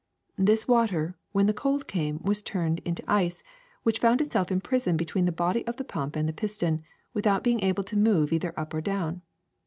This water, when the cold came, was turned into ice which found itself imprisoned between the body of the pump and the piston, without being able to move either up or do^vn.